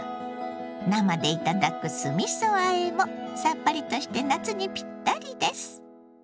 生で頂く酢みそあえもさっぱりとして夏にピッタリです。